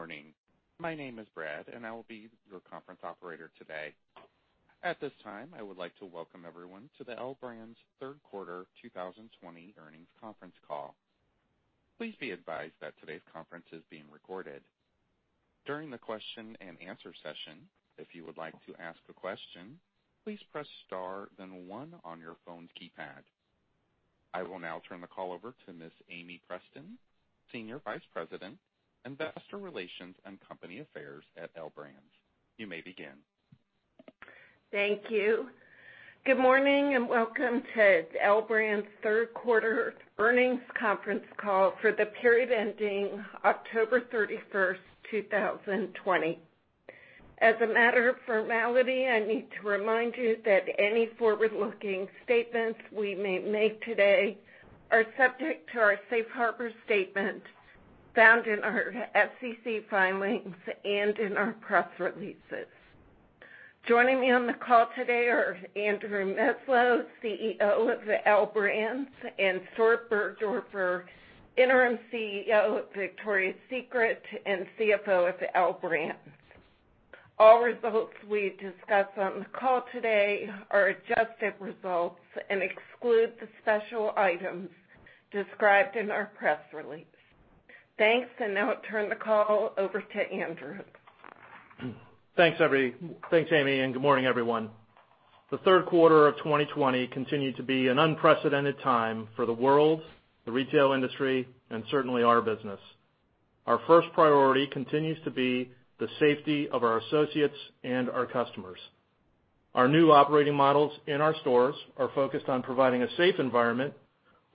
Good morning. My name is Brad, and I will be your conference operator today. At this time, I would like to welcome everyone to the L Brands third quarter 2020 earnings conference call. Please be advised that today's conference is being recorded. During the question-and-answer session, if you would like to ask a question, please press star then one on your phone's keypad. I will now turn the call over to Miss Amie Preston, Senior Vice President, Investor Relations and Company Affairs at L Brands. You may begin. Thank you. Good morning and welcome to L Brands third quarter earnings conference call for the period ending October 31, 2020. As a matter of formality, I need to remind you that any forward-looking statements we may make today are subject to our safe harbor statement found in our SEC filings and in our press releases. Joining me on the call today are Andrew Meslow, CEO of L Brands, and Stuart Burgdoerfer, Interim CEO of Victoria's Secret and CFO of L Brands. All results we discuss on the call today are adjusted results and exclude the special items described in our press release. Thanks. Now I turn the call over to Andrew. Thanks, Amie, and good morning, everyone. The third quarter of 2020 continued to be an unprecedented time for the world, the retail industry, and certainly our business. Our first priority continues to be the safety of our associates and our customers. Our new operating models in our stores are focused on providing a safe environment,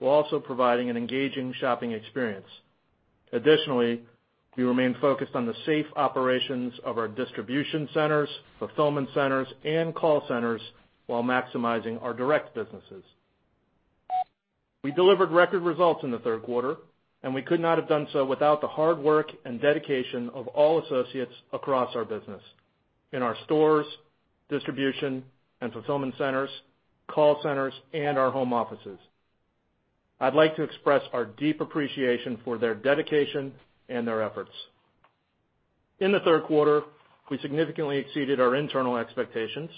while also providing an engaging shopping experience. Additionally, we remain focused on the safe operations of our distribution centers, fulfillment centers, and call centers while maximizing our direct businesses. We delivered record results in the third quarter, and we could not have done so without the hard work and dedication of all associates across our business, in our stores, distribution and fulfillment centers, call centers, and our home offices. I'd like to express our deep appreciation for their dedication and their efforts. In the third quarter, we significantly exceeded our internal expectations,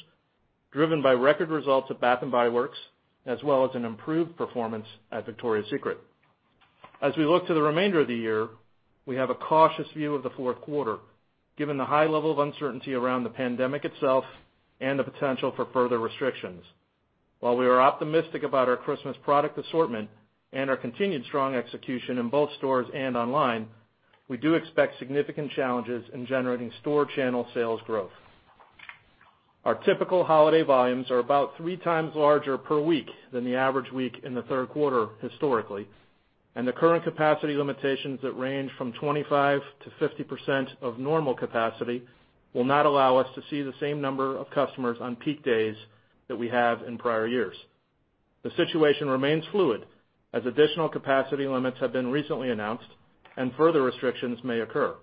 driven by record results at Bath & Body Works, as well as an improved performance at Victoria's Secret. As we look to the remainder of the year, we have a cautious view of the fourth quarter, given the high level of uncertainty around the pandemic itself and the potential for further restrictions. While we are optimistic about our Christmas product assortment and our continued strong execution in both stores and online, we do expect significant challenges in generating store channel sales growth. Our typical holiday volumes are about 3x larger per week than the average week in the third quarter historically, and the current capacity limitations that range from 25%-50% of normal capacity will not allow us to see the same number of customers on peak days that we have in prior years. The situation remains fluid as additional capacity limits have been recently announced and further restrictions may occur.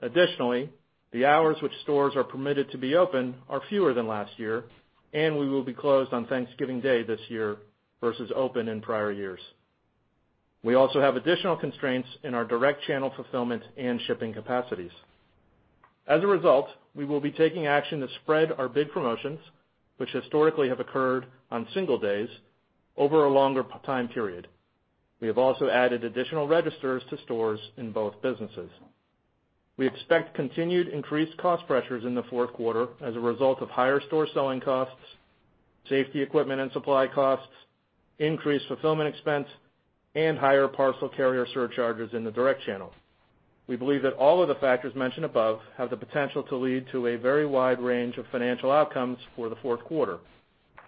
Additionally, the hours which stores are permitted to be open are fewer than last year, and we will be closed on Thanksgiving Day this year versus open in prior years. We also have additional constraints in our direct channel fulfillment and shipping capacities. As a result, we will be taking action to spread our big promotions, which historically have occurred on single days, over a longer time period. We have also added additional registers to stores in both businesses. We expect continued increased cost pressures in the fourth quarter as a result of higher store selling costs, safety equipment and supply costs, increased fulfillment expense, and higher parcel carrier surcharges in the direct channel. We believe that all of the factors mentioned above have the potential to lead to a very wide range of financial outcomes for the fourth quarter,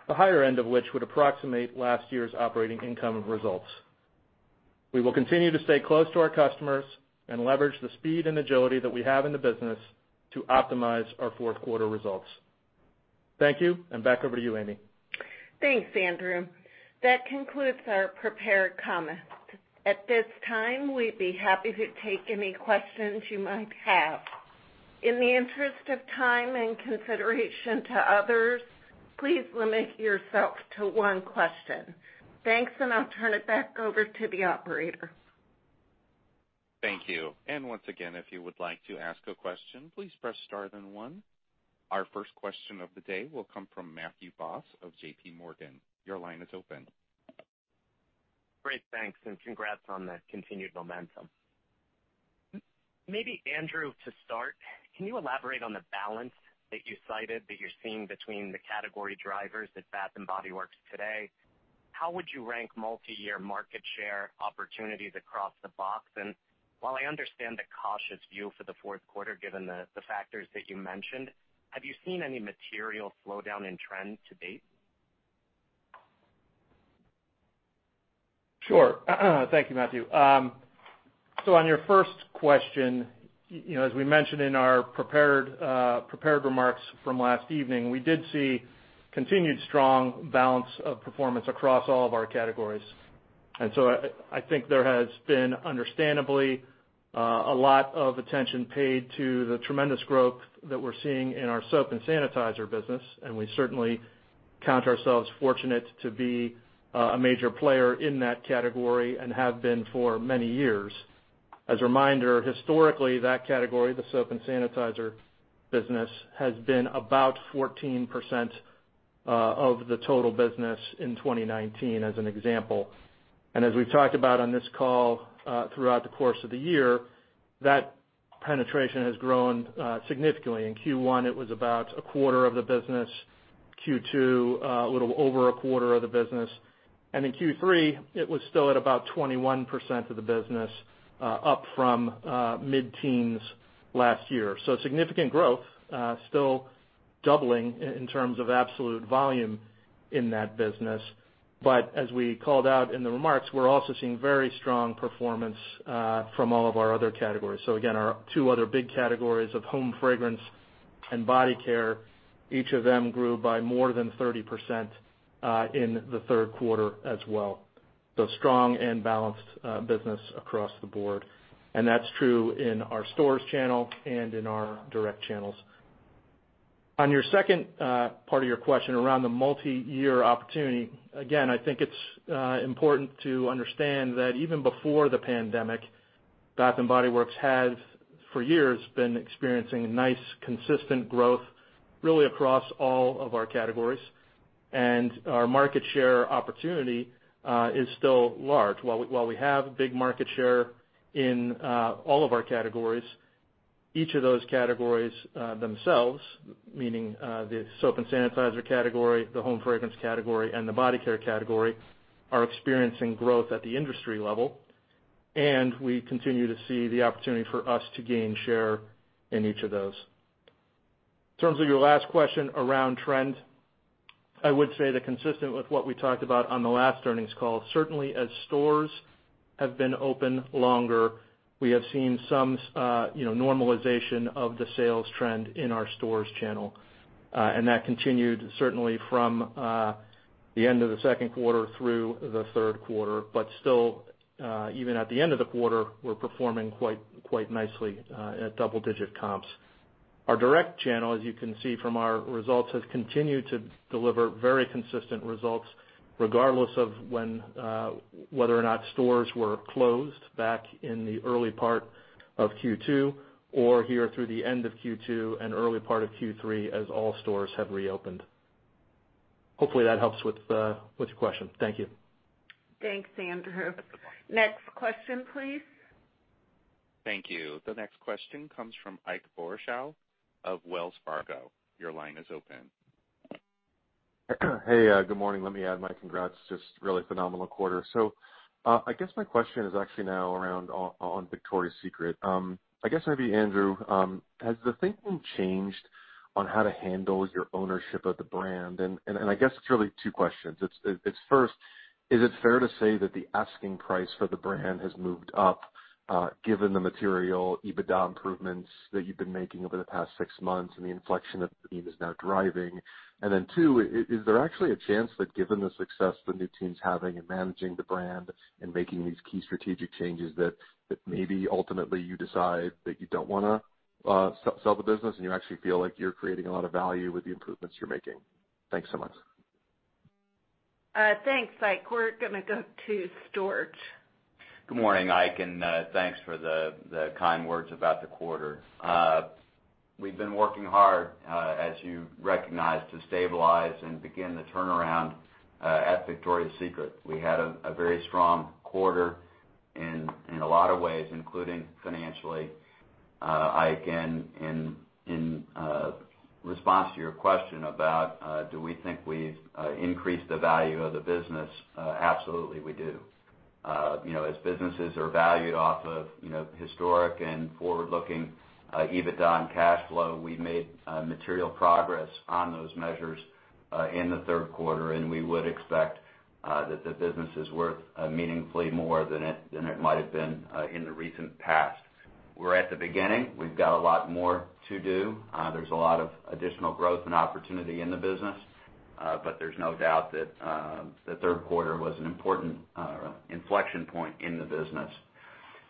the higher end of which would approximate last year's operating income and results. We will continue to stay close to our customers and leverage the speed and agility that we have in the business to optimize our fourth-quarter results. Thank you, and back over to you, Amie. Thanks, Andrew. That concludes our prepared comments. At this time, we'd be happy to take any questions you might have. In the interest of time and consideration to others, please limit yourself to one question. Thanks. I'll turn it back over to the operator. Thank you. Once again, if you would like to ask a question, please press star then one. Our first question of the day will come from Matthew Boss of JPMorgan. Your line is open. Great. Thanks, and congrats on the continued momentum. Maybe Andrew to start, can you elaborate on the balance that you cited that you're seeing between the category drivers at Bath & Body Works today? How would you rank multi-year market share opportunities across the box? While I understand the cautious view for the fourth quarter, given the factors that you mentioned, have you seen any material slowdown in trend to date? Sure. Thank you, Matthew. On your first question, as we mentioned in our prepared remarks from last evening, we did see a continued strong balance of performance across all of our categories. I think there has been understandably, a lot of attention paid to the tremendous growth that we're seeing in our soap and sanitizer business, and we certainly count ourselves fortunate to be a major player in that category and have been for many years. As a reminder, historically, that category, the soap and sanitizer business, has been about 14% of the total business in 2019, as an example. As we've talked about on this call throughout the course of the year, that penetration has grown significantly. In Q1, it was about a quarter of the business, Q2, a little over a quarter of the business, and in Q3, it was still at about 21% of the business, up from mid-teens last year. Significant growth, still doubling in terms of absolute volume in that business. As we called out in the remarks, we're also seeing very strong performance from all of our other categories. Again, our two other big categories of home fragrance and body care, each of them grew by more than 30% in the third quarter as well. Strong and balanced business across the board, and that's true in our store channel and in our direct channels. On your second part of your question around the multi-year opportunity, again, I think it's important to understand that even before the pandemic, Bath & Body Works has, for years, been experiencing nice, consistent growth, really across all of our categories, and our market share opportunity is still large. While we have a big market share in all of our categories, each of those categories themselves, meaning the soap and sanitizer category, the home fragrance category, and the body care category, are experiencing growth at the industry level, and we continue to see the opportunity for us to gain share in each of those. In terms of your last question around trend, I would say that consistent with what we talked about on the last earnings call, certainly as stores have been open longer, we have seen some normalization of the sales trend in our store channel. That continued certainly from the end of the second quarter through the third quarter, but still, even at the end of the quarter, we're performing quite nicely at double-digit comps. Our direct channel, as you can see from our results, has continued to deliver very consistent results, regardless of whether or not stores were closed back in the early part of Q2, or here through the end of Q2 and early part of Q3, as all stores have reopened. Hopefully, that helps with the question. Thank you. Thanks, Andrew. Next question, please. Thank you. The next question comes from Ike Boruchow of Wells Fargo. Your line is open. Hey, good morning. Let me add my congrats, just a really phenomenal quarter. I guess my question is actually now around on Victoria's Secret. I guess maybe Andrew, has the thinking changed on how to handle your ownership of the brand? I guess it's really two questions. It's first, is it fair to say that the asking price for the brand has moved up, given the material EBITDA improvements that you've been making over the past six months and the inflection that the team is now driving? Two, is there actually a chance that, given the success the new team's having in managing the brand and making these key strategic changes, that maybe ultimately you decide that you don't want to sell the business and you actually feel like you're creating a lot of value with the improvements you're making? Thanks so much. Thanks, Ike. We're gonna go to Stuart. Good morning, Ike, and thanks for the kind words about the quarter. We've been working hard, as you recognize, to stabilize and begin the turnaround at Victoria's Secret. We had a very strong quarter in a lot of ways, including financially. Ike, in response to your question about do we think we've increased the value of the business, absolutely we do. As businesses are valued off of historic and forward-looking EBITDA and cash flow, we've made material progress on those measures in the third quarter, and we would expect that the business is worth meaningfully more than it might have been in the recent past. We're at the beginning. We've got a lot more to do. There's a lot of additional growth and opportunity in the business. There's no doubt that the third quarter was an important inflection point in the business.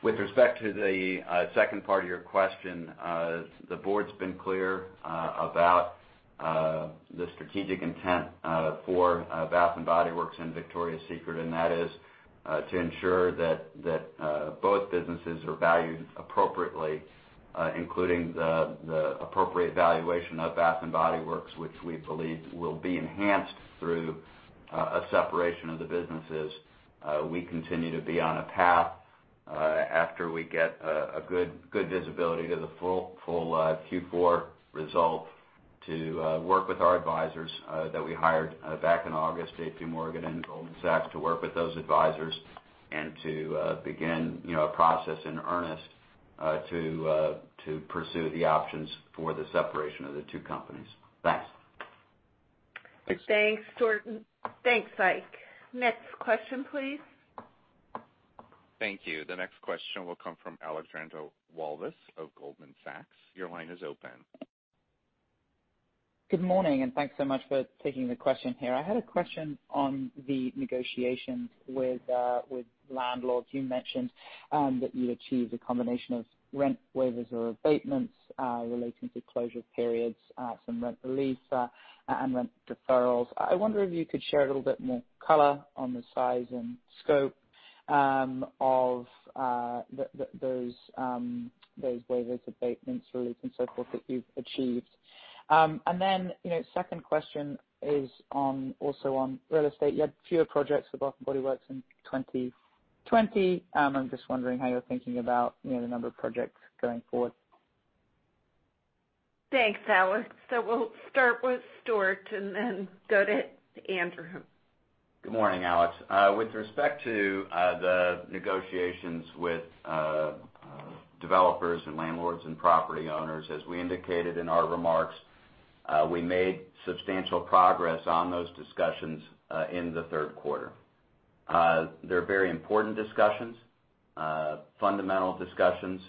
With respect to the second part of your question, the board's been clear about the strategic intent for Bath & Body Works and Victoria's Secret, and that is to ensure that both businesses are valued appropriately, including the appropriate valuation of Bath & Body Works, which we believe will be enhanced through a separation of the businesses. We continue to be on a path, after we get a good visibility to the full Q4 result, to work with our advisors that we hired back in August, JPMorgan and Goldman Sachs, to work with those advisors and to begin a process in earnest to pursue the options for the separation of the two companies. Thanks. Thanks. Thanks, Stuart. Thanks, Ike. Next question, please. Thank you. The next question will come from Alexandra Walvis of Goldman Sachs. Your line is open. Good morning, and thanks so much for taking the question here. I had a question on the negotiations with landlords. You mentioned that you achieved a combination of rent waivers or abatements relating to closure periods, some rent reliefs, and rent deferrals. I wonder if you could share a little bit more color on the size and scope of those waivers, abatements, reliefs, and so forth that you've achieved. The second question is also on real estate. You had fewer projects with Bath & Body Works in 2020. I'm just wondering how you're thinking about the number of projects going forward. Thanks, Alex. We'll start with Stuart and then go to Andrew. Good morning, Alex. With respect to the negotiations with developers, landlords, and property owners, as we indicated in our remarks, we made substantial progress on those discussions in the third quarter. They're very important discussions, fundamental discussions.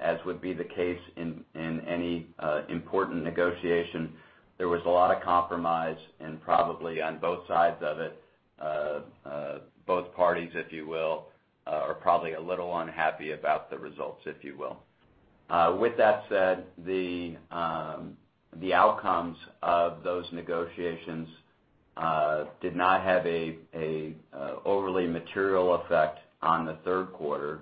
As would be the case in any important negotiation, there was a lot of compromise and probably on both sides of it, both parties, if you will, are probably a little unhappy about the results, if you will. With that said, the outcomes of those negotiations did not have an overly material effect on the third quarter.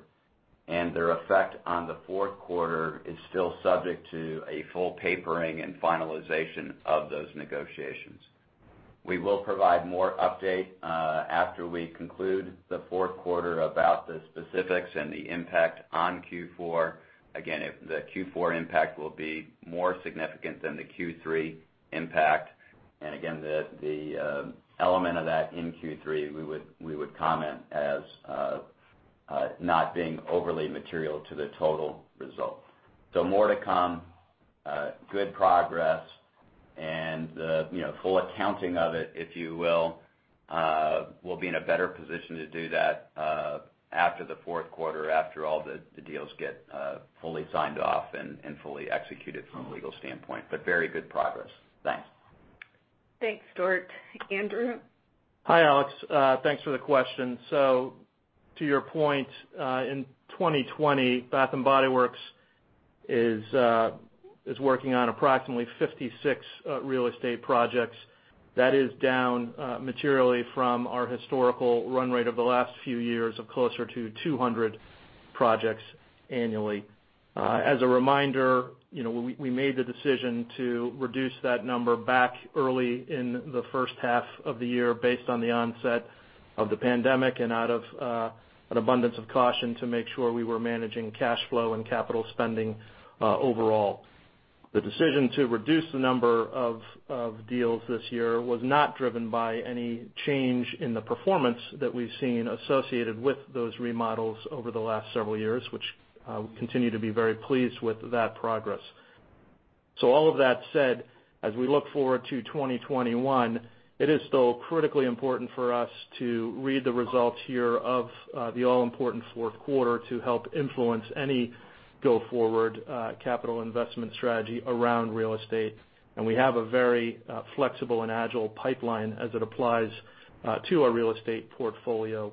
Their effect on the fourth quarter is still subject to a full papering and finalization of those negotiations. We will provide more update, after we conclude the fourth quarter, about the specifics and the impact on Q4. If the Q4 impact will be more significant than the Q3 impact, the element of that in Q3, we would comment as not being overly material to the total result. More to come. Good progress and the full accounting of it, if you will, we'll be in a better position to do that after the fourth quarter, after all the deals get fully signed off and fully executed from a legal standpoint. Very good progress. Thanks. Thanks, Stuart. Andrew? Hi, Alex. Thanks for the question. To your point, in 2020, Bath & Body Works is working on approximately 56 real estate projects. That is down materially from our historical run rate of the last few years of closer to 200 projects annually. As a reminder, we made the decision to reduce that number back early in the first half of the year based on the onset of the pandemic and out of an abundance of caution to make sure we were managing cash flow and capital spending overall. The decision to reduce the number of deals this year was not driven by any change in the performance that we've seen associated with those remodels over the last several years, which we continue to be very pleased with that progress. All of that said, as we look forward to 2021, it is still critically important for us to read the results here of the all-important fourth quarter to help influence any go-forward capital investment strategy around real estate. We have a very flexible and agile pipeline as it applies to our real estate portfolio.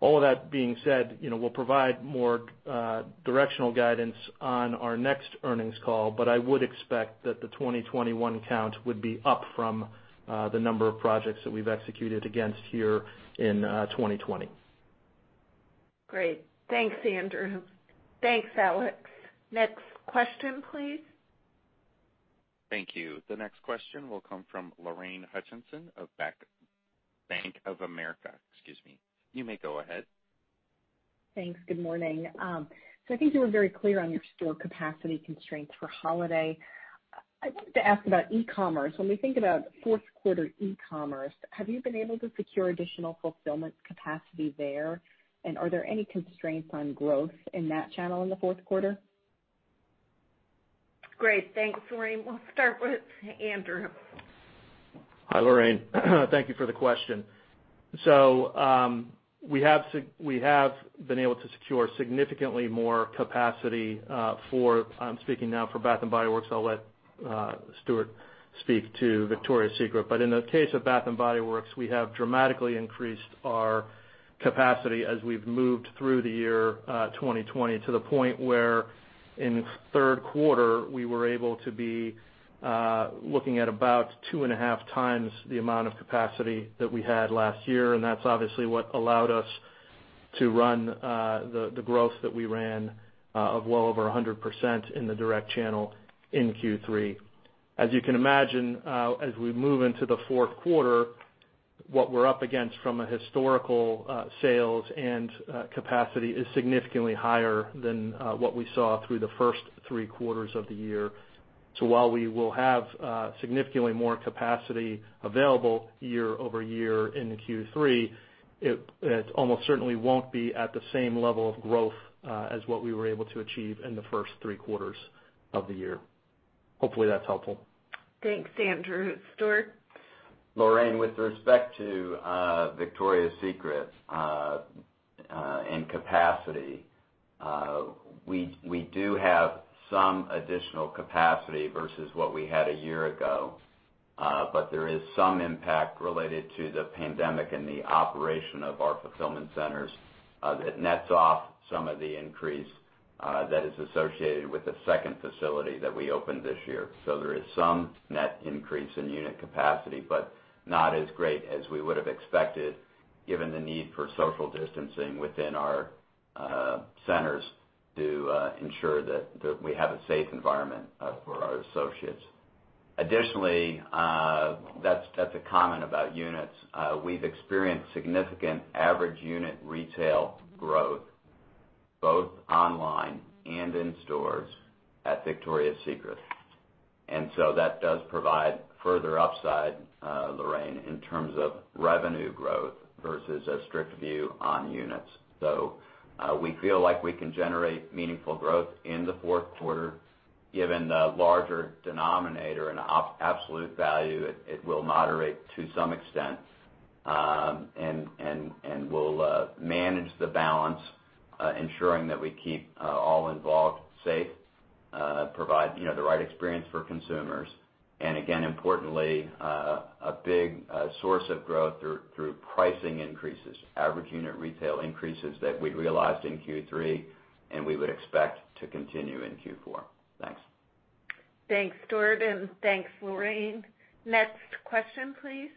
All of that being said, we'll provide more directional guidance on our next earnings call, but I would expect that the 2021 count would be up from the number of projects that we've executed against here in 2020. Great. Thanks, Andrew. Thanks, Alex. Next question, please. Thank you. The next question will come from Lorraine Hutchinson of Bank of America. Excuse me. You may go ahead. Thanks. Good morning. I think you were very clear on your store capacity constraints for the holiday. I wanted to ask about e-commerce. When we think about the fourth quarter e-commerce, have you been able to secure additional fulfillment capacity there? Are there any constraints on growth in that channel in the fourth quarter? Great. Thanks, Lorraine. We'll start with Andrew. Hi, Lorraine. Thank you for the question. We have been able to secure significantly more capacity for I'm speaking now for Bath & Body Works. I'll let Stuart speak to Victoria's Secret. In the case of Bath & Body Works, we have dramatically increased our capacity as we've moved through the year 2020 to the point where in third quarter, we were able to be looking at about 2.5x The amount of capacity that we had last year, and that's obviously what allowed us to run the growth that we ran of well over 100% in the direct channel in Q3. As you can imagine, as we move into the fourth quarter, what we're up against from a historical sales and capacity is significantly higher than what we saw through the first three quarters of the year. While we will have significantly more capacity available year-over-year in the Q3, it almost certainly won't be at the same level of growth as what we were able to achieve in the first three quarters of the year. Hopefully, that's helpful. Thanks, Andrew. Stuart? Lorraine, with respect to Victoria's Secret and capacity, we do have some additional capacity versus what we had a year ago. There is some impact related to the pandemic and the operation of our fulfillment centers that nets off some of the increase that is associated with the second facility that we opened this year. There is some net increase in unit capacity, but not as great as we would've expected given the need for social distancing within our centers to ensure that we have a safe environment for our associates. Additionally, that's a comment about units. We've experienced significant average unit retail growth, both online and in stores at Victoria's Secret. That does provide further upside, Lorraine, in terms of revenue growth versus a strict view on units. We feel like we can generate meaningful growth in the fourth quarter. Given the larger denominator and absolute value, it will moderate to some extent. We'll manage the balance, ensuring that we keep all involved safe, provide the right experience for consumers, and again, importantly, a big source of growth through pricing increases, average unit retail increases that we realized in Q3, and we would expect to continue in Q4. Thanks. Thanks, Stuart, and thanks, Lorraine. Next question, please.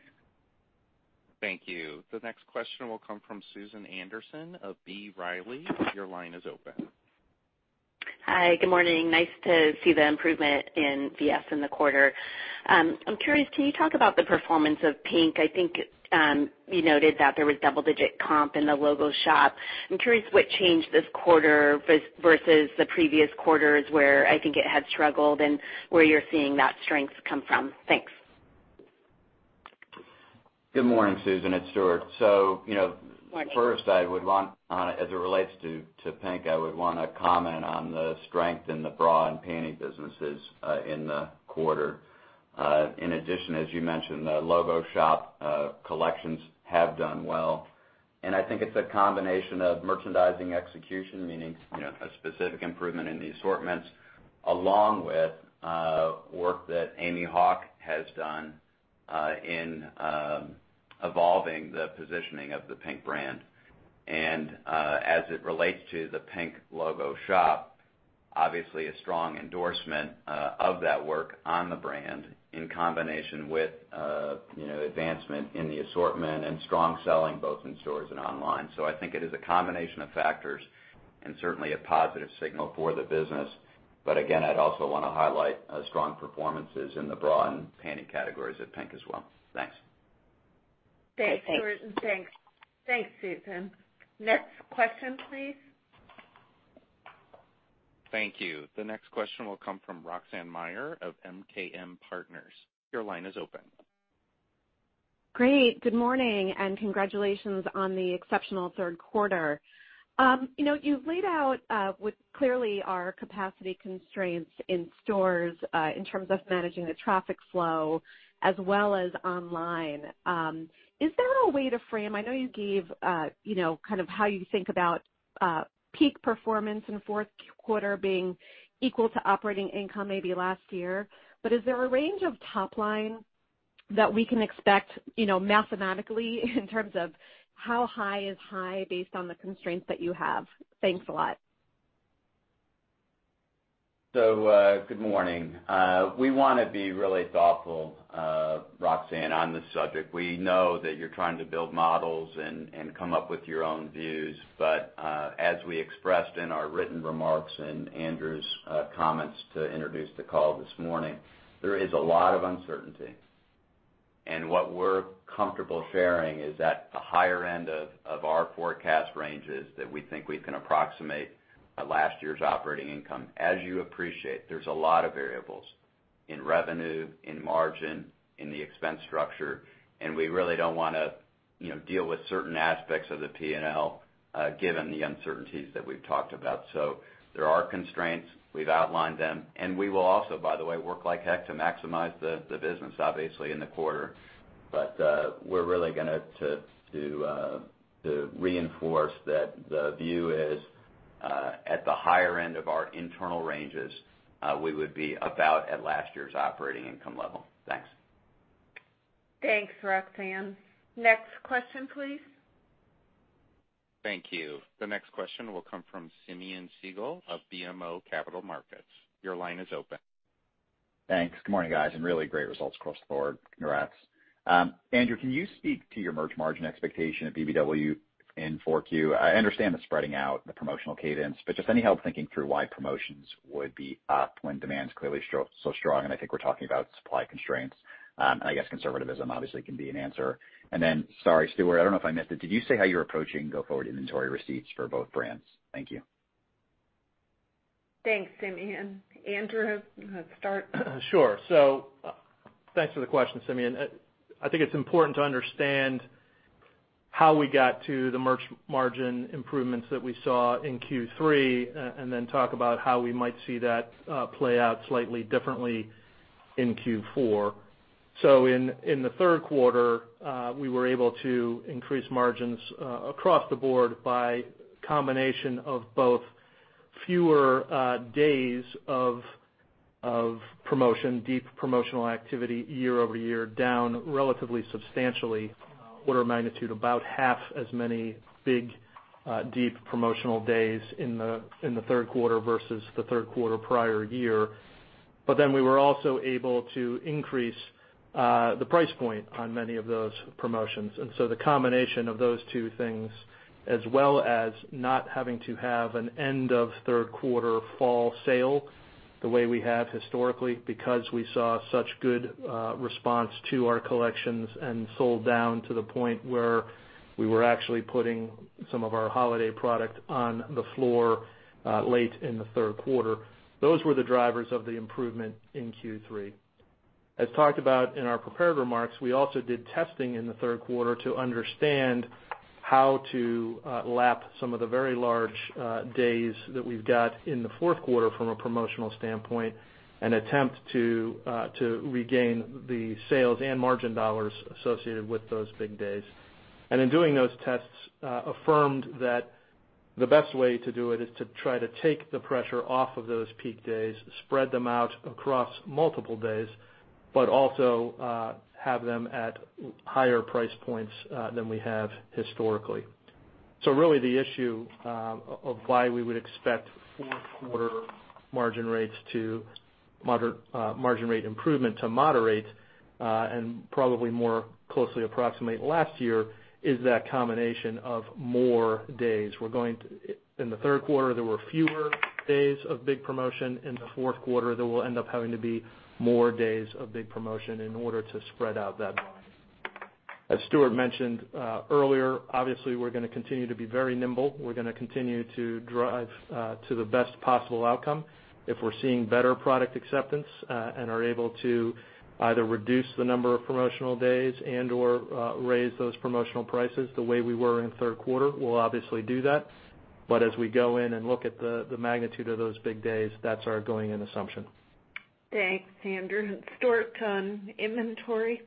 Thank you. The next question will come from Susan Anderson of B. Riley. Your line is open. Hi, good morning. Nice to see the improvement in VS in the quarter. I'm curious, can you talk about the performance of PINK? I think you noted that there was double-digit comp in the Logo Shop. I'm curious what changed this quarter versus the previous quarters, where I think it had struggled, and where you're seeing that strength come from. Thanks. Good morning, Susan. It's Stuart. Morning. First as it relates to PINK, I would want to comment on the strength in the bra and panty businesses in the quarter. In addition, as you mentioned, the Logo Shop collections have done well, and I think it's a combination of merchandising execution, meaning a specific improvement in the assortments, along with work that Amy Hauk has done in evolving the positioning of the PINK brand. As it relates to the PINK Logo Shop, obviously a strong endorsement of that work on the brand in combination with advancement in the assortment and strong selling both in stores and online. I think it is a combination of factors, and certainly a positive signal for the business. Again, I'd also want to highlight strong performances in the bra and panty categories at PINK as well. Thanks. Okay, thanks. Thanks, Stuart and thanks, Susan. Next question, please. Thank you. The next question will come from Roxanne Meyer of MKM Partners. Your line is open. Great. Good morning, and congratulations on the exceptional third quarter. You've laid out what clearly are capacity constraints in stores in terms of managing the traffic flow as well as online. Is there a way to frame? I know you gave how you think about peak performance in the fourth quarter being equal to operating income maybe last year, but is there a range of top line that we can expect mathematically in terms of how high is high based on the constraints that you have? Thanks a lot. Good morning. We want to be really thoughtful, Roxanne, on this subject. We know that you're trying to build models and come up with your own views, as we expressed in our written remarks and Andrew's comments to introduce the call this morning, there is a lot of uncertainty. What we're comfortable sharing is that the higher end of our forecast range is that we think we can approximate last year's operating income. As you appreciate, there's a lot of variables in revenue, in margin, in the expense structure, we really don't want to deal with certain aspects of the P&L given the uncertainties that we've talked about. There are constraints, we've outlined them and we will also, by the way, work like heck to maximize the business, obviously, in the quarter. We're really going to reinforce that the view is at the higher end of our internal ranges we would be about at last year's operating income level. Thanks. Thanks, Roxanne. Next question, please. Thank you. The next question will come from Simeon Siegel of BMO Capital Markets. Your line is open. Thanks. Good morning, guys, really great results across the board. Congrats. Andrew, can you speak to your merch margin expectation at BBW in 4Q? I understand the spreading out, the promotional cadence, but just any help thinking through why promotions would be up when demand's clearly so strong, and I think we're talking about supply constraints. I guess conservatism obviously can be an answer. Sorry, Stuart, I don't know if I missed it. Did you say how you're approaching go-forward inventory receipts for both brands? Thank you. Thanks, Simeon. Andrew, start. Sure. Thanks for the question, Simeon. I think it's important to understand how we got to the merch margin improvements that we saw in Q3 and then talk about how we might see that play out slightly differently in Q4. In the third quarter, we were able to increase margins across the board by a combination of both fewer days of promotion, deep promotional activity year-over-year, down relatively substantially, order of magnitude, about half as many big, deep promotional days in the third quarter versus the third quarter prior year. We were also able to increase the price point on many of those promotions. The combination of those two things, as well as not having to have an end of third quarter fall sale the way we have historically, because we saw such a good response to our collections and sold down to the point where we were actually putting some of our holiday product on the floor late in the third quarter. Those were the drivers of the improvement in Q3. As talked about in our prepared remarks, we also did testing in the third quarter to understand how to lap some of the very large days that we've got in the fourth quarter from a promotional standpoint and attempt to regain the sales and margin dollars associated with those big days, and in doing those tests, affirmed that the best way to do it is to try to take the pressure off of those peak days, spread them out across multiple days, but also have them at higher price points than we have historically. Really the issue of why we would expect fourth quarter margin rate improvement to moderate, and probably more closely approximate last year, is that combination of more days. In the third quarter, there were fewer days of big promotions. In the fourth quarter, there will end up having to be more days of big promotions in order to spread out that volume. As Stuart mentioned earlier, obviously, we're going to continue to be very nimble. We're going to continue to drive to the best possible outcome. If we're seeing better product acceptance and are able to either reduce the number of promotional days and/or raise those promotional prices the way we were in the third quarter, we'll obviously do that. As we go in and look at the magnitude of those big days, that's our going-in assumption. Thanks, Andrew. Stuart, on inventory?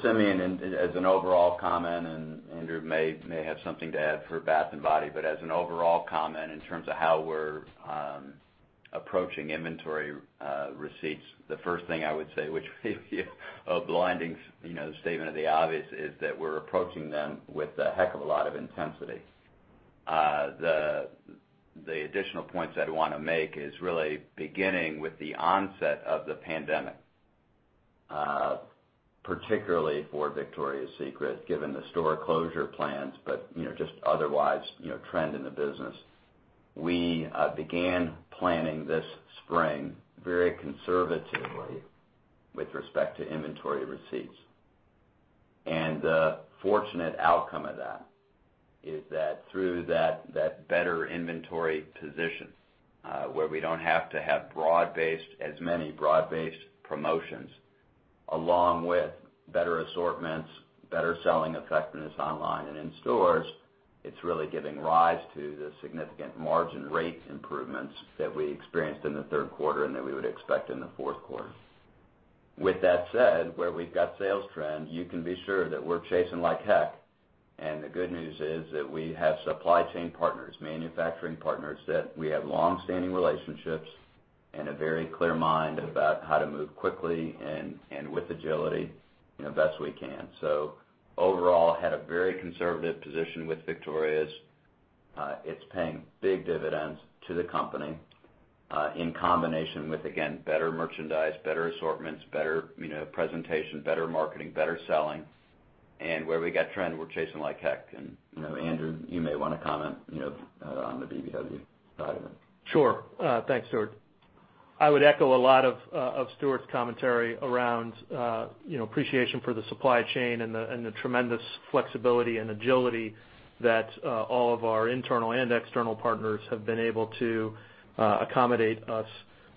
Simeon, as an overall comment, and Andrew may have something to add for Bath & Body, but as an overall comment in terms of how we're approaching inventory receipts, the first thing I would say, which may be a blinding statement of the obvious, is that we're approaching them with a heck of a lot of intensity. The additional points that I want to make is really beginning with the onset of the pandemic, particularly for Victoria's Secret, given the store closure plans, but just otherwise the trend in the business. We began planning this spring very conservatively with respect to inventory receipts. The fortunate outcome of that is that through that better inventory position, where we don't have to have as many broad-based promotions, along with better assortments, better selling effectiveness online and in stores, it's really giving rise to the significant margin rate improvements that we experienced in the third quarter and that we would expect in the fourth quarter. That said, where we've got sales trend, you can be sure that we're chasing like heck, and the good news is that we have supply chain partners, manufacturing partners, that we have long-standing relationships and a very clear mind about how to move quickly and with agility, best we can. Overall, had a very conservative position with Victoria's. It's paying big dividends to the company, in combination with, again, better merchandise, better assortments, better presentation, better marketing, better selling. Where we get a trend, we're chasing like heck. Andrew, you may want to comment on the BBW side of it. Sure. Thanks, Stuart. I would echo a lot of Stuart's commentary around appreciation for the supply chain and the tremendous flexibility and agility that all of our internal and external partners have been able to accommodate us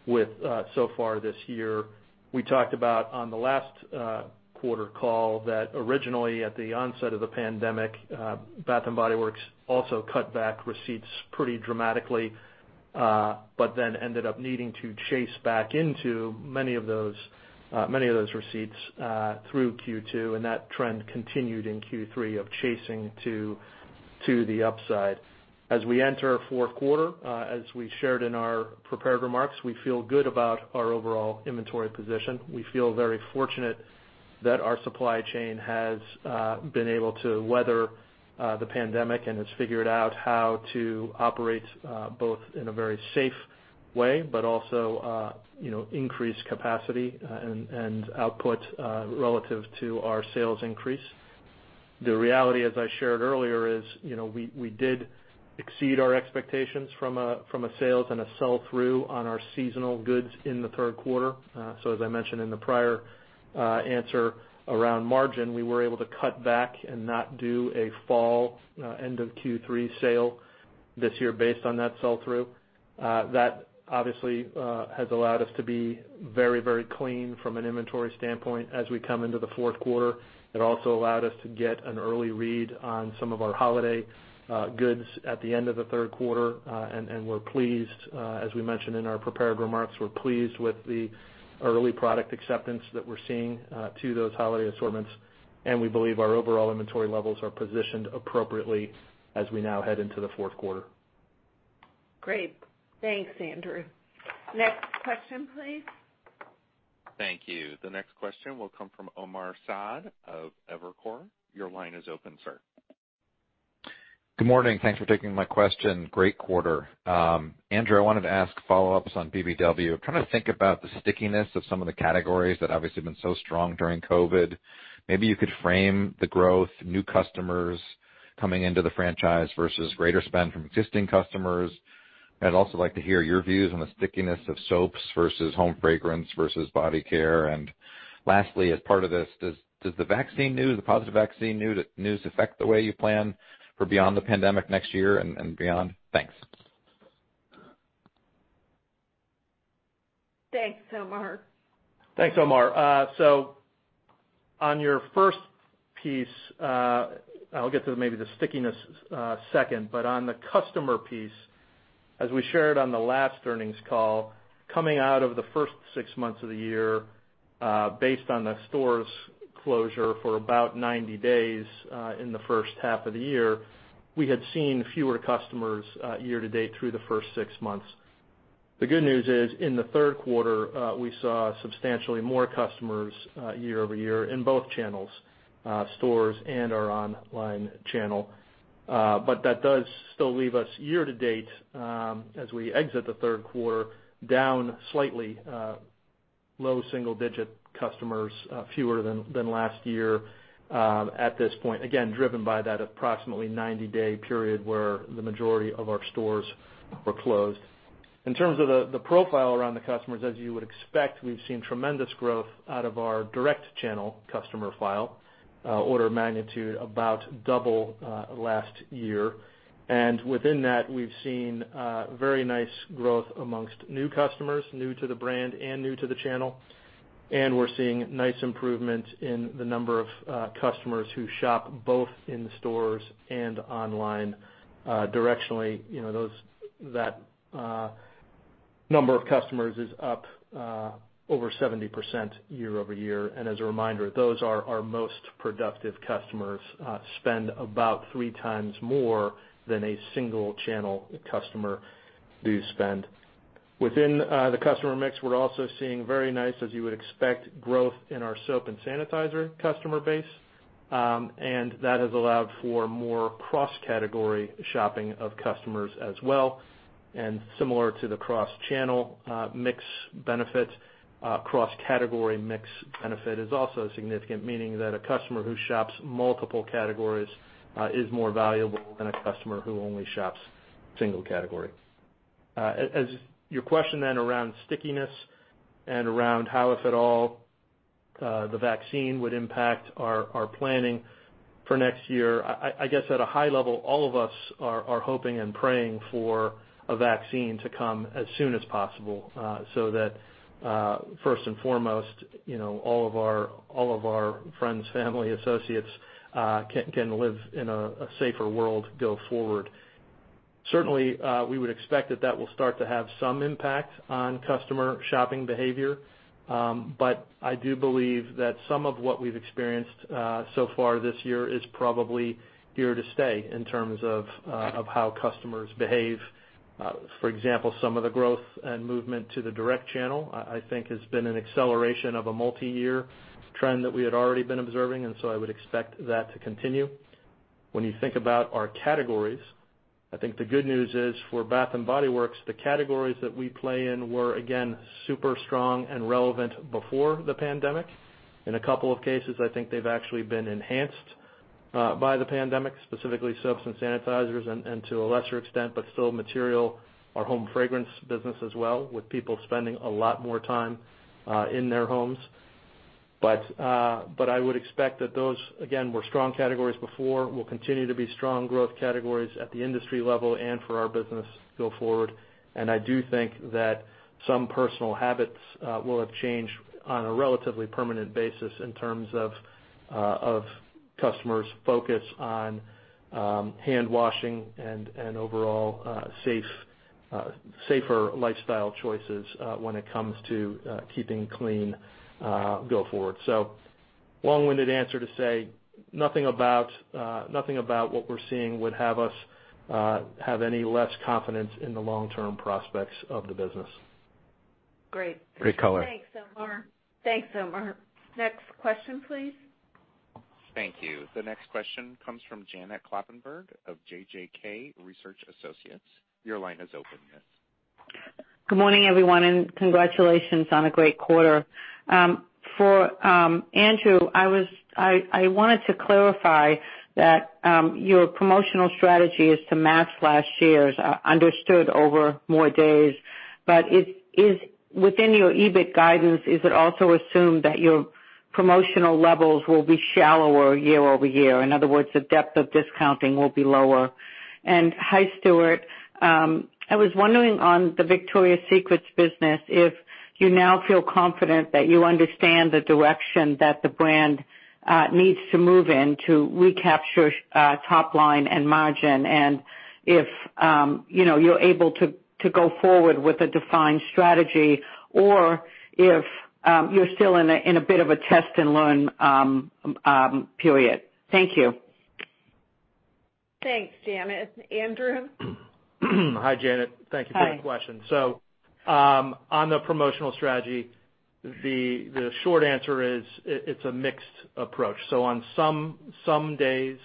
with so far this year. We talked about on the last quarter call that originally at the onset of the pandemic, Bath & Body Works also cut back receipts pretty dramatically, but then ended up needing to chase back into many of those receipts through Q2, and that trend continued in Q3 of chasing to the upside. As we enter our fourth quarter, as we shared in our prepared remarks, we feel good about our overall inventory position. We feel very fortunate that our supply chain has been able to weather the pandemic and has figured out how to operate both in a very safe way, but also increase capacity and output relative to our sales increase. The reality, as I shared earlier, is we did exceed our expectations from a sales and a sell-through on our seasonal goods in the third quarter. As I mentioned in the prior answer around margin, we were able to cut back and not do a fall end-of-Q3 sale this year based on that sell-through. That obviously has allowed us to be very, very clean from an inventory standpoint as we come into the fourth quarter. It also allowed us to get an early read on some of our holiday goods at the end of the third quarter, and we're pleased, as we mentioned in our prepared remarks, we're pleased with the early product acceptance that we're seeing to those holiday assortments, and we believe our overall inventory levels are positioned appropriately as we now head into the fourth quarter. Great. Thanks, Andrew. Next question, please. Thank you. The next question will come from Omar Saad of Evercore. Your line is open, sir. Good morning. Thanks for taking my question. Great quarter. Andrew, I wanted to ask follow-ups on BBW. I'm trying to think about the stickiness of some of the categories that obviously have been so strong during COVID. Maybe you could frame the growth, new customers coming into the franchise, versus greater spend from existing customers. I'd also like to hear your views on the stickiness of soaps versus home fragrance versus body care. Lastly, as part of this, does the positive vaccine news affect the way you plan for beyond the pandemic next year and beyond? Thanks. Thanks, Omar. Thanks, Omar. On your first piece, I'll get to maybe the stickiness second, but on the customer piece, as we shared on the last earnings call, coming out of the first six months of the year, based on the stores' closure for about 90 days in the first half of the year, we had seen fewer customers year-to-date through the first six months. The good news is, in the third quarter, we saw substantially more customers year-over-year in both channels, stores, and our online channel. That does still leave us year-to-date, as we exit the third quarter, down slightly, low single-digit customers, fewer than last year at this point, again, driven by that approximately 90-day period where the majority of our stores were closed. In terms of the profile around the customers, as you would expect, we've seen tremendous growth out of our direct channel customer file, order of magnitude, about double last year. Within that, we've seen very nice growth amongst new customers, new to the brand, and new to the channel. We're seeing nice improvements in the number of customers who shop both in the stores and online directionally. The number of customers is up over 70% year-over-year. As a reminder, those are our most productive customers, spend about 3x more than a single-channel customer do spend. Within the customer mix, we're also seeing very nice, as you would expect, growth in our soap and sanitizer customer base, and that has allowed for more cross-category shopping of customers as well. Similar to the cross-channel mix benefit, the cross-category mix benefit is also significant, meaning that a customer who shops multiple categories is more valuable than a customer who only shops a single category. As your question then around stickiness and around how, if at all, the vaccine would impact our planning for next year, I guess at a high level, all of us are hoping and praying for a vaccine to come as soon as possible, so that, first and foremost, all of our friends, family, associates can live in a safer world go forward. Certainly, we would expect that will start to have some impact on customer shopping behavior. I do believe that some of what we've experienced so far this year is probably here to stay in terms of how customers behave. For example, some of the growth and movement to the direct channel, I think, has been an acceleration of a multi-year trend that we had already been observing, and so I would expect that to continue. When you think about our categories, I think the good news is for Bath & Body Works, the categories that we play in were, again, super strong and relevant before the pandemic. In a couple of cases, I think they've actually been enhanced by the pandemic, specifically soaps and sanitizers, and to a lesser extent, but still material, our home fragrance business as well, with people spending a lot more time in their homes. I would expect that those, again, were strong categories before, will continue to be strong growth categories at the industry level and for our business go forward. I do think that some personal habits will have changed on a relatively permanent basis in terms of customers' focus on hand washing and overall safer lifestyle choices when it comes to keeping clean go forward. Long-winded answer to say nothing about what we're seeing would have us have any less confidence in the long-term prospects of the business. Great. Great color. Thanks, Omar. Next question, please. Thank you. The next question comes from Janet Kloppenburg of JJK Research Associates. Your line is open, ma'am. Good morning, everyone, and congratulations on a great quarter. For Andrew, I wanted to clarify that your promotional strategy is to match last year's, understood over more days. Within your EBIT guidance, is it also assumed that your promotional levels will be shallower year-over-year? In other words, the depth of discounting will be lower. Hi, Stuart. I was wondering on the Victoria's Secret business, if you now feel confident that you understand the direction that the brand needs to move in to recapture top line and margin, and if you're able to go forward with a defined strategy or if you're still in a bit of a test and learn period. Thank you. Thanks, Janet. Andrew? Hi, Janet. Hi. Thank you for the question. On the promotional strategy, the short answer is, it's a mixed approach. On some days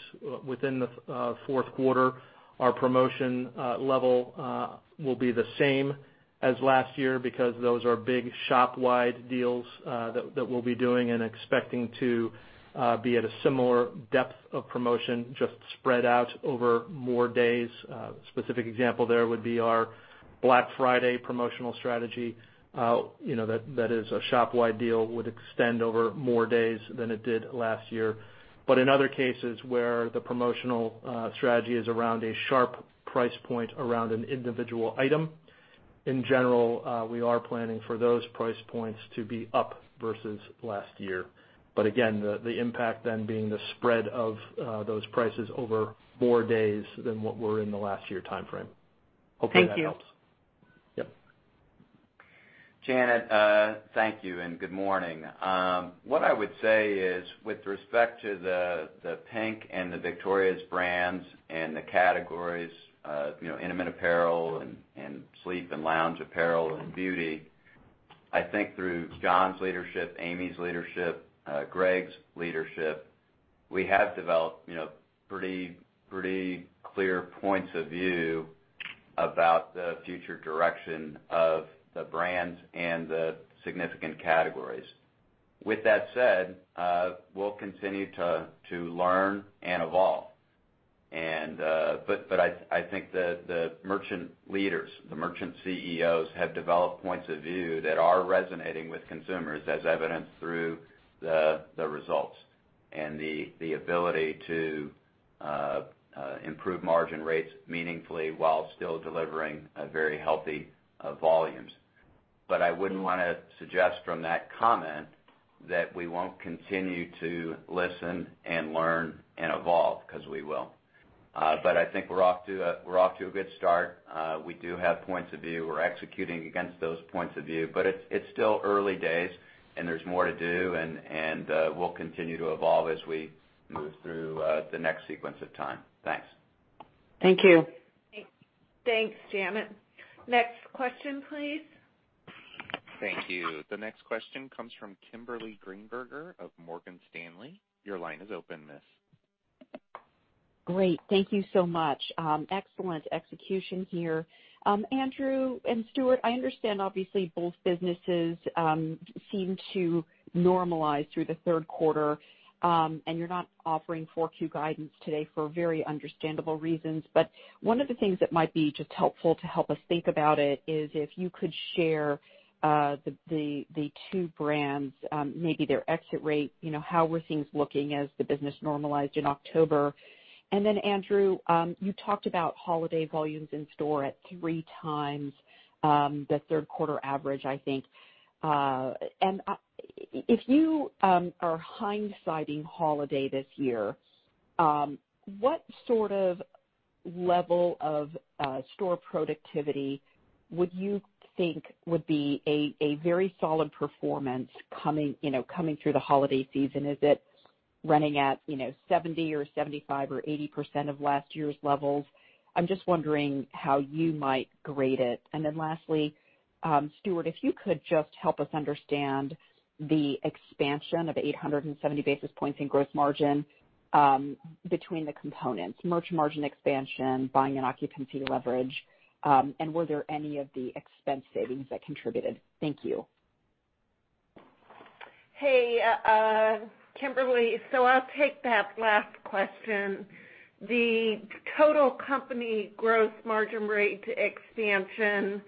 within the fourth quarter, our promotion level will be the same as last year because those are big shopwide deals that we'll be doing and expecting to be at a similar depth of promotion, just spread out over more days. A specific example there would be our Black Friday promotional strategy. That is a shopwide deal would extend over more days than it did last year. In other cases where the promotional strategy is around a sharp price point around an individual item, in general, we are planning for those price points to be up versus last year. Again, the impact then being the spread of those prices over more days than what were in the last year timeframe. Hopefully that helps. Thank you. Yep. Janet, thank you and good morning. What I would say is, with respect to the PINK and the Victoria's brands and the categories of intimate apparel and sleep and lounge apparel and beauty, I think through John's leadership, Amy's leadership, Greg's leadership, we have developed pretty clear points of view about the future direction of the brands and the significant categories. With that said, we'll continue to learn and evolve. I think the merchant leaders, the merchant CEOs, have developed points of view that are resonating with consumers, as evidenced through the results and the ability to improve margin rates meaningfully while still delivering very healthy volumes. I wouldn't want to suggest from that comment that we won't continue to listen and learn and evolve, because we will. I think we're off to a good start. We do have points of view. We're executing against those points of view. It's still early days and there's more to do and we'll continue to evolve as we move through the next sequence of time. Thanks. Thank you. Thanks, Janet. Next question, please. Thank you. The next question comes from Kimberly Greenberger of Morgan Stanley. Your line is open, miss. Great. Thank you so much. Excellent execution here. Andrew and Stuart, I understand that, obviously, both businesses seem to normalize through the third quarter, and you're not offering Q4 guidance today for very understandable reasons. One of the things that might be just helpful to help us think about it is if you could share the two brands, maybe their exit rate, how were things looking as the business normalized in October? Then, Andrew, you talked about holiday volumes in store at 3x the third quarter average, I think. If you are hindsighting holiday this year, what sort of level of store productivity would you think would be a very solid performance coming through the holiday season? Is it running at 70% or 75% or 80% of last year's levels? I'm just wondering how you might grade it. Lastly, Stuart, if you could just help us understand the expansion of 870 basis points in gross margin between the components, merch margin expansion, buying and occupancy leverage, and were there any of the expense savings that contributed? Thank you. Hey, Kimberly. I'll take that last question. The total company gross margin rate expansion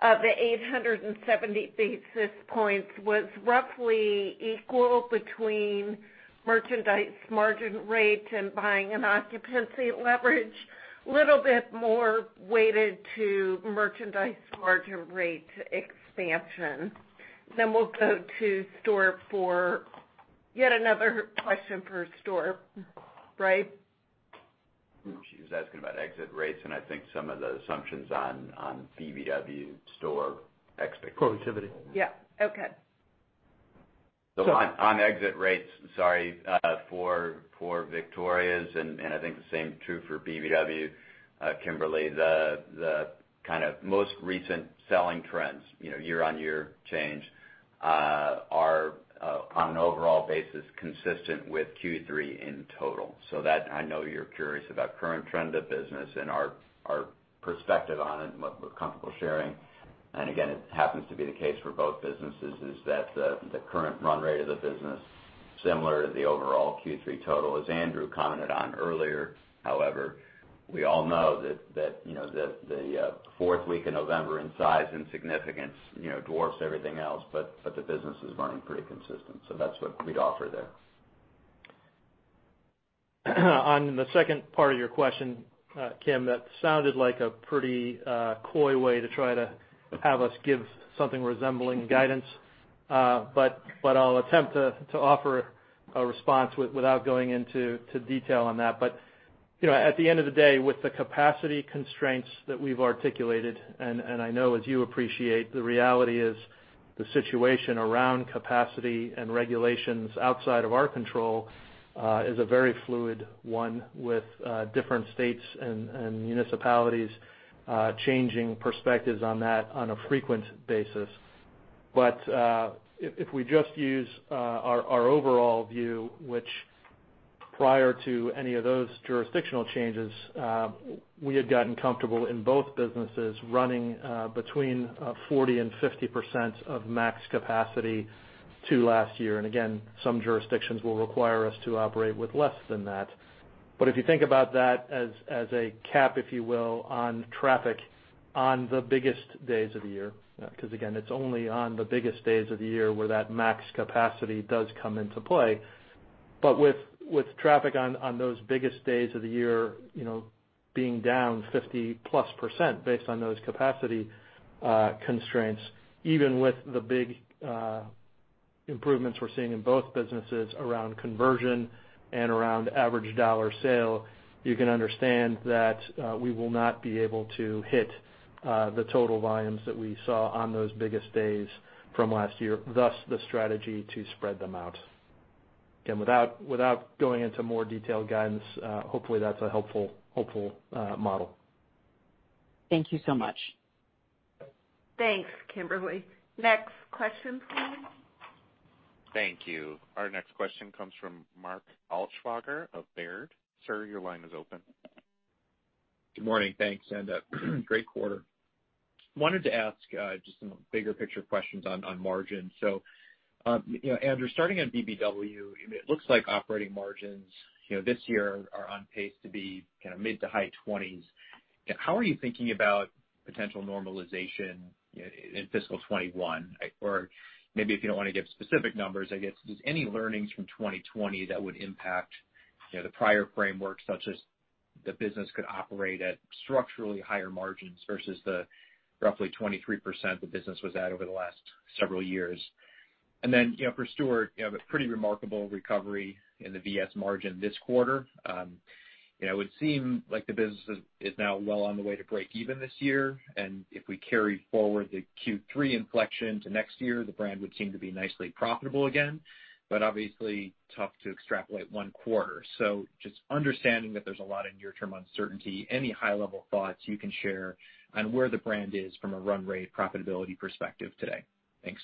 of the 870 basis points was roughly equal between merchandise margin rate and buying and occupancy leverage. Little bit more weighted to merchandise margin rate expansion. We'll go to Stuart for yet another question for Stuart. Right? She was asking about exit rates, and I think some of the assumptions on BBW store expectations. Productivity. Yeah. Okay. On exit rates, sorry, for Victoria's, and I think the same is true for BBW, Kimberly, the kind of most recent selling trends year-over-year change are on an overall basis, consistent with Q3 in total. That I know you're curious about the current trend of business and our perspective on it and what we're comfortable sharing. Again, it happens to be the case for both businesses is that the current run rate of the business is similar to the overall Q3 total, as Andrew commented on earlier. However, we all know that the fourth week of November in size and significance dwarfs everything else, but the business is running pretty consistent. That's what we'd offer there. On the second part of your question, Kim, that sounded like a pretty coy way to try to have us give something resembling guidance. I'll attempt to offer a response without going into detail on that. At the end of the day, with the capacity constraints that we've articulated, and I know as you appreciate, the reality is the situation around capacity and regulations outside of our control, is a very fluid one with different states and municipalities changing perspectives on that on a frequent basis. If we just use our overall view, which prior to any of those jurisdictional changes, we had gotten comfortable in both businesses running between 40% and 50% of max capacity, to last year. Again, some jurisdictions will require us to operate with less than that. If you think about that as a cap, if you will, on traffic on the biggest days of the year, because again, it's only on the biggest days of the year where that max capacity does come into play. With traffic on those biggest days of the year being down 50%+ based on those capacity constraints, even with the big improvements we're seeing in both businesses around conversion and around average dollar sale, you can understand that we will not be able to hit the total volumes that we saw on those biggest days from last year, thus the strategy to spread them out. Without going into more detailed guidance, hopefully that's a helpful model. Thank you so much. Thanks, Kimberly. Next question. Thank you. Our next question comes from Mark Altschwager of Baird. Sir, your line is open. Good morning. Thanks, great quarter. Wanted to ask just some bigger picture questions on margins. Andrew, starting on BBW, it looks like operating margins this year are on pace to be mid-to-high 20s. How are you thinking about potential normalization in fiscal 2021? Maybe if you don't want to give specific numbers, I guess, just any learnings from 2020 that would impact the prior framework such as the business could operate at structurally higher margins versus the roughly 23% the business was at over the last several years. For Stuart, a pretty remarkable recovery in the VS margin this quarter. It would seem like the business is now well on the way to break even this year, and if we carry forward the Q3 inflection to next year, the brand would seem to be nicely profitable again, but obviously tough to extrapolate one quarter. Just understanding that there's a lot of near-term uncertainty, any high-level thoughts you can share on where the brand is from a run-rate profitability perspective today? Thanks.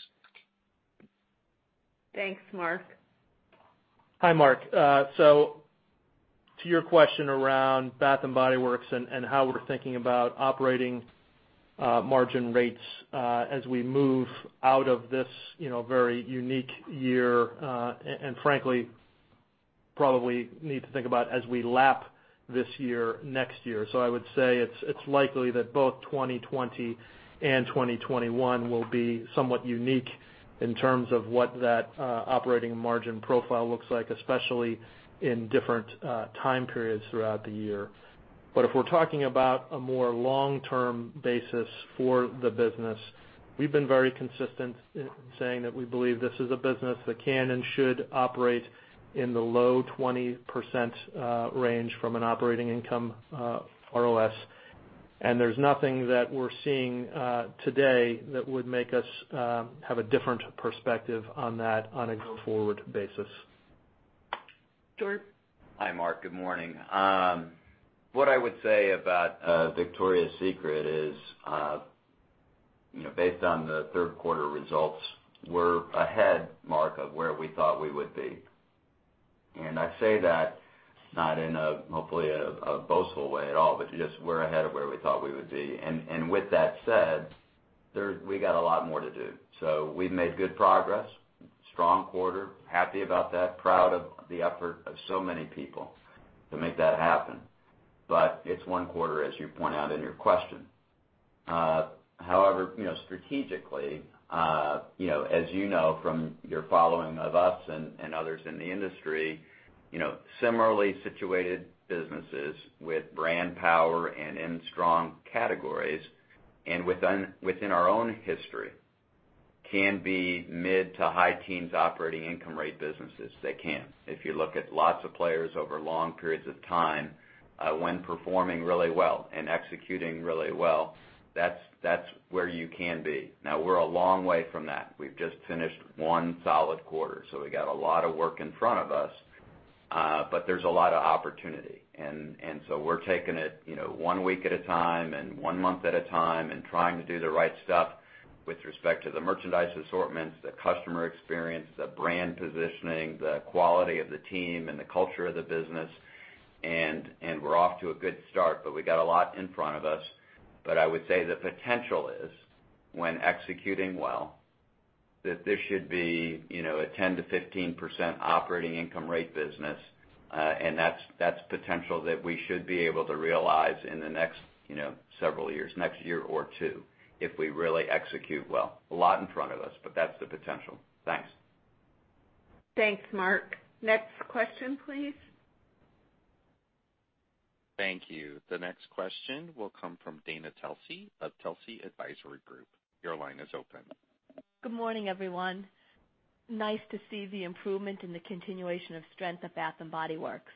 Thanks, Mark. Hi, Mark. To your question around Bath & Body Works and how we're thinking about operating margin rates as we move out of this very unique year, and frankly, probably need to think about as we lap this year, next year. I would say it's likely that both 2020 and 2021 will be somewhat unique in terms of what that operating margin profile looks like, especially in different time periods throughout the year. If we're talking about a more long-term basis for the business, we've been very consistent in saying that we believe this is a business that can and should operate in the low 20% range from an operating income ROS. There's nothing that we're seeing today that would make us have a different perspective on that on a go-forward basis. Stuart? Hi, Mark. Good morning. What I would say about Victoria's Secret is, based on the third quarter results, we're ahead, Mark, of where we thought we would be. I say that not in a, hopefully, a boastful way at all, but just we're ahead of where we thought we would be. With that said, we got a lot more to do. We've made good progress, strong quarter, happy about that, proud of the effort of so many people to make that happen. It's one quarter, as you point out in your question. Strategically, as you know from your following of us and others in the industry, similarly situated businesses with brand power and in strong categories and within our own history can be mid to high teens operating income rate businesses. They can. If you look at lots of players over long periods of time, when performing really well and executing really well, that's where you can be. We're a long way from that. We've just finished one solid quarter. We've got a lot of work in front of us. There's a lot of opportunity. We're taking it one week at a time and one month at a time and trying to do the right stuff with respect to the merchandise assortments, the customer experience, the brand positioning, the quality of the team, and the culture of the business. We're off to a good start, but we've got a lot in front of us. I would say the potential is when executing well, that this should be a 10%-15% operating income rate business, and that's potential that we should be able to realize in the next several years, next year or two, if we really execute well. A lot in front of us. That's the potential. Thanks. Thanks, Mark. Next question, please. Thank you. The next question will come from Dana Telsey of Telsey Advisory Group. Your line is open. Good morning, everyone. Nice to see the improvement and the continuation of strength at Bath & Body Works.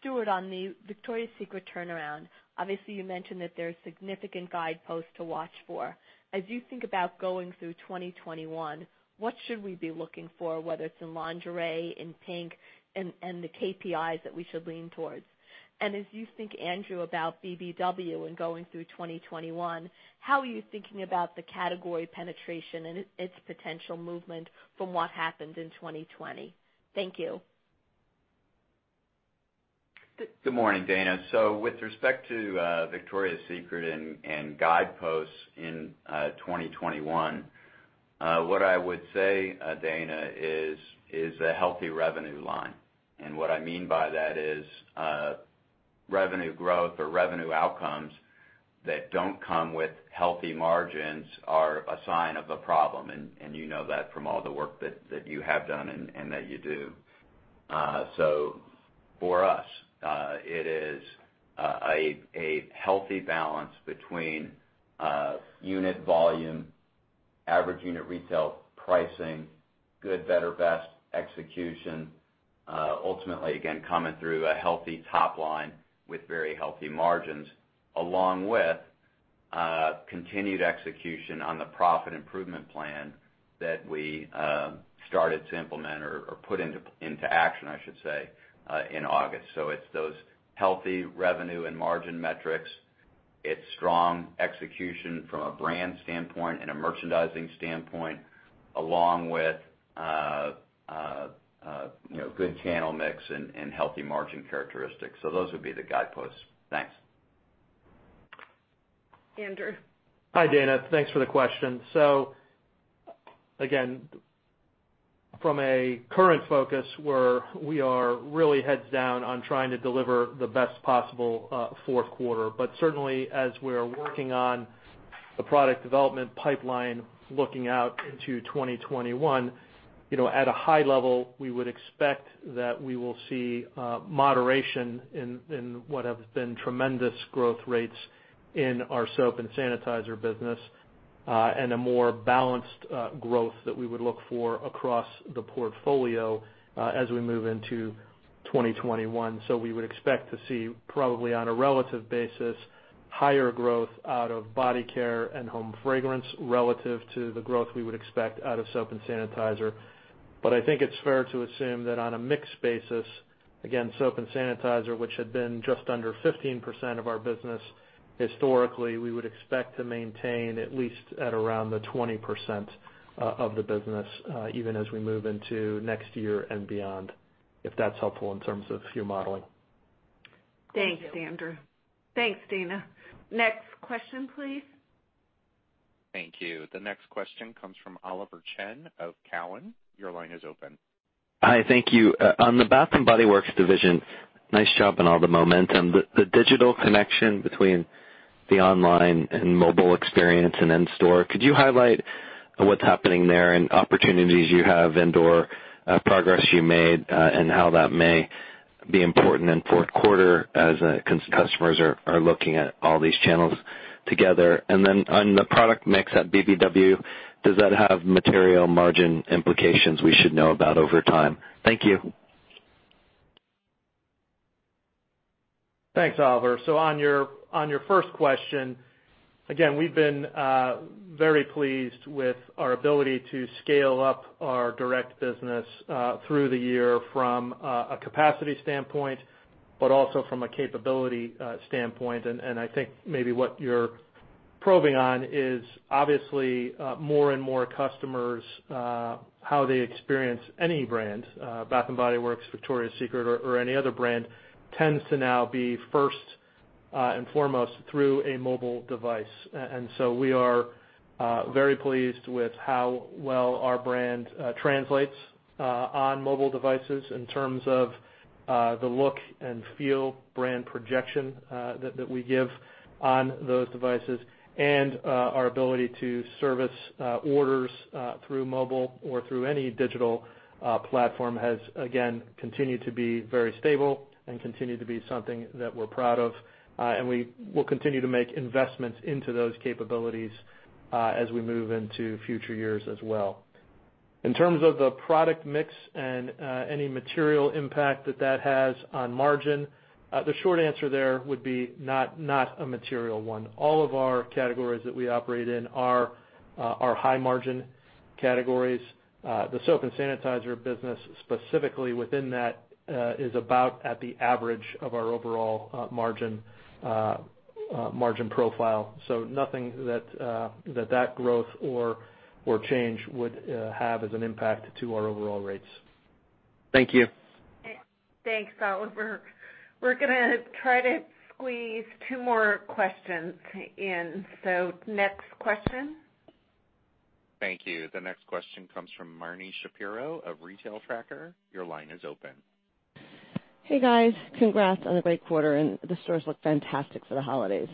Stuart, on the Victoria's Secret turnaround, obviously, you mentioned that there are significant guideposts to watch for. As you think about going through 2021, what should we be looking for, whether it's in lingerie, in PINK, and the KPIs that we should lean towards? As you think, Andrew, about BBW and going through 2021, how are you thinking about the category penetration and its potential movement from what happened in 2020? Thank you. Good morning, Dana. With respect to Victoria's Secret and guideposts in 2021, what I would say, Dana, is a healthy revenue line. What I mean by that is, revenue growth or revenue outcomes that don't come with healthy margins are a sign of a problem, and you know that from all the work that you have done and that you do. For us, it is a healthy balance between unit volume, average unit retail pricing, good, better, best execution, ultimately, again, coming through a healthy top line with very healthy margins, along with continued execution on the profit improvement plan that we started to implement, or put into action, I should say, in August. It's those healthy revenue and margin metrics. It's strong execution from a brand standpoint and a merchandising standpoint, along with good channel mix and healthy margin characteristics. Those would be the guideposts. Thanks. Andrew. Hi, Dana. Thanks for the question. Again, from a current focus, we are really heads down on trying to deliver the best possible fourth quarter. Certainly, as we're working on the product development pipeline looking out into 2021, at a high level, we would expect that we will see moderation in what have been tremendous growth rates in our soap and sanitizer business, and a more balanced growth that we would look for across the portfolio as we move into 2021. We would expect to see, probably on a relative basis, higher growth out of body care and home fragrance relative to the growth we would expect out of soap and sanitizer. I think it's fair to assume that on a mix basis, again, soap and sanitizer, which had been just under 15% of our business historically, we would expect to maintain at least at around the 20% of the business, even as we move into next year and beyond, if that's helpful in terms of your modeling. Thank you. Thanks, Andrew. Thanks, Dana. Next question, please. Thank you. The next question comes from Oliver Chen of Cowen. Your line is open. Hi, thank you. On the Bath & Body Works division, nice job on all the momentum. The digital connection between the online and mobile experience and in store, could you highlight what's happening there and opportunities you have and/or progress you made, and how that may be important in fourth quarter as customers are looking at all these channels together? On the product mix at BBW, does that have material margin implications we should know about over time? Thank you. Thanks, Oliver. On your first question, again, we've been very pleased with our ability to scale up our direct business through the year from a capacity standpoint, but also from a capability standpoint. I think maybe what you're probing on is obviously more and more customers, how they experience any brand, Bath & Body Works, Victoria's Secret, or any other brand, tends to now be first and foremost through a mobile device. We are very pleased with how well our brand translates on mobile devices in terms of the look and feel brand projection that we give on those devices, and our ability to service orders through mobile or through any digital platform has, again, continued to be very stable and continued to be something that we're proud of. We will continue to make investments into those capabilities as we move into future years as well. In terms of the product mix and any material impact that that has on margin, the short answer there would be not a material one. All of our categories that we operate in are high margin categories. The soap and sanitizer business, specifically within that is about at the average of our overall margin profile. Nothing that the growth or change would have as an impact to our overall rates. Thank you. Thanks, Oliver. We're going to try to squeeze two more questions in. Next question. Thank you. The next question comes from Marni Shapiro of Retail Tracker. Your line is open. Hey, guys. Congrats on a great quarter, and the stores look fantastic for the holidays.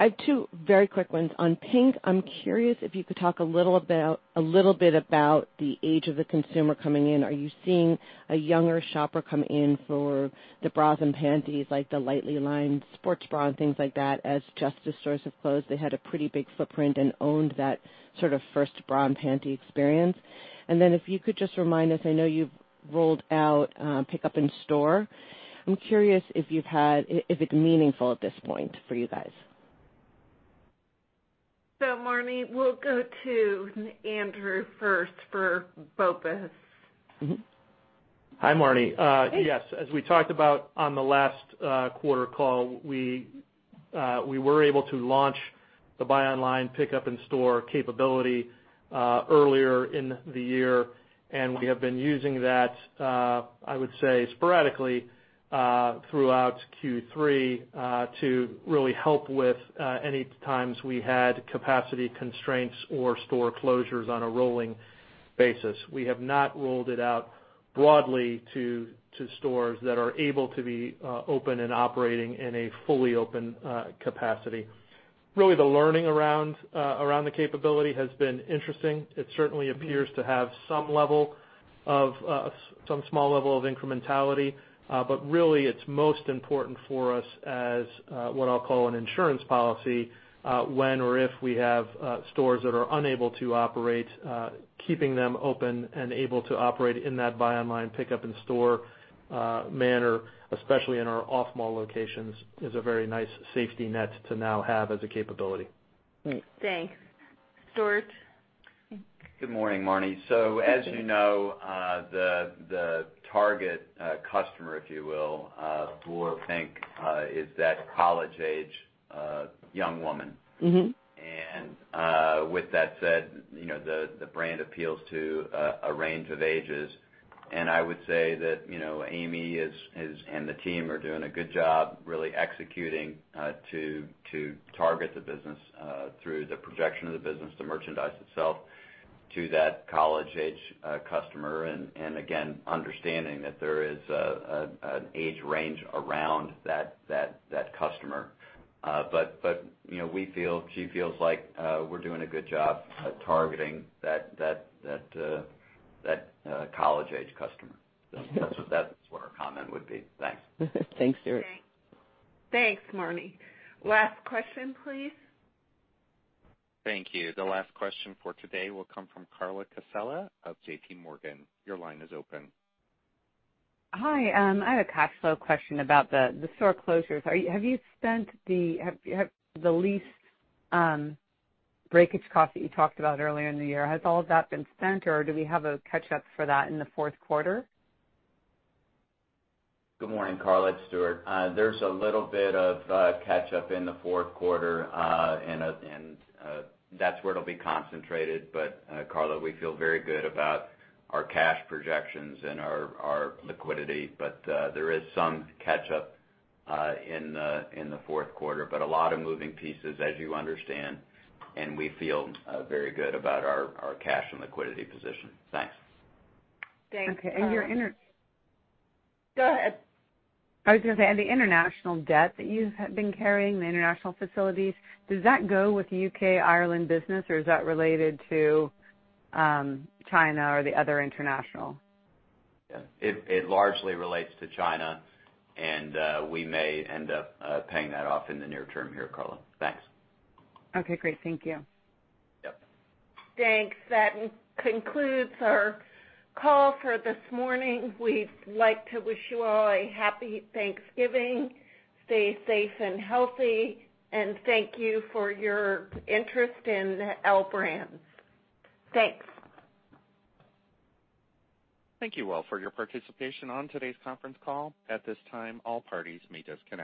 I have two very quick ones. On PINK, I'm curious if you could talk a little bit about the age of the consumer coming in. Are you seeing a younger shopper come in for the bras and panties, like the lightly lined sports bra and things like that? As Justice stores have closed, they had a pretty big footprint and owned that sort of first bra and panty experience. If you could just remind us, I know you've rolled out pickup in-store. I'm curious if it's meaningful at this point for you guys. Marni, we'll go to Andrew first for BOPIS. Hi, Marni. Hey. Yes, as we talked about on the last quarter call, we were able to launch the buy online, pickup in store capability earlier in the year, and we have been using that, I would say, sporadically, throughout Q3, to really help with any times we had capacity constraints or store closures on a rolling basis. We have not rolled it out broadly to stores that are able to be open and operating in a fully open capacity. Really, the learning around the capability has been interesting. It certainly appears to have some small level of incrementality, but really it's most important for us as what I'll call an insurance policy when or if we have stores that are unable to operate, keeping them open and able to operate in that buy online, pickup in store manner, especially in our off-mall locations, is a very nice safety net to now have as a capability. Thanks. Stuart? Good morning, Marni. As you know, the target customer, if you will, for PINK, is that college-age young woman. With that said, the brand appeals to a range of ages, and I would say that Amy and the team are doing a good job really executing to target the business through the projection of the business, the merchandise itself, to that college-age customer and again, understanding that there is an age range around that customer. She feels like we're doing a good job at targeting that college-age customer. That's what our comment would be. Thanks. Thanks, Stuart. Thanks, Marni. Last question, please. Thank you. The last question for today will come from Carla Casella of JPMorgan. Your line is open. Hi, I have a cash flow question about the store closures. The lease breakage cost that you talked about earlier in the year, has all of that been spent, or do we have a catch up for that in the fourth quarter? Good morning, Carla. It's Stuart. There's a little bit of catch-up in the fourth quarter, and that's where it'll be concentrated. Carla, we feel very good about our cash projections and our liquidity. There is some catch-up in the fourth quarter, but a lot of moving pieces, as you understand, and we feel very good about our cash and liquidity position. Thanks. Thanks, Carla. Okay. Go ahead. I was gonna say, the international debt that you have been carrying, the international facilities, does that go with the U.K., Ireland business, or is that related to China or the other international? Yeah. It largely relates to China, and we may end up paying that off in the near term here, Carla. Thanks. Okay, great. Thank you. Yep. Thanks. That concludes our call for this morning. We'd like to wish you all a Happy Thanksgiving. Stay safe and healthy and thank you for your interest in L Brands. Thanks. Thank you all for your participation on today's conference call. At this time, all parties may disconnect.